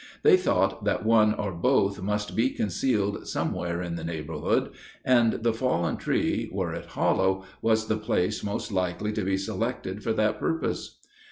They thought that one or both must be concealed somewhere in the neighborhood, and the fallen tree, were it hollow, was the place most likely to be selected for that purpose.